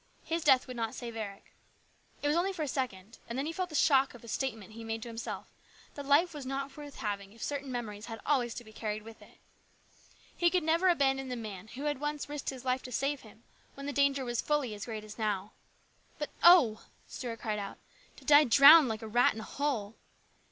His death would not save Eric. It was for only a second, and then he felt the shock of a statement he made to himself, that life was not worth having if certain memories had always to be carried with it. e could never abandon the man who had once He could 68 ins BROTHER'S KEEPER. risked his life to save him, when the danger was fully as great as now. " But oh !" Stuart cried out, " to die drowned like a rat in a hole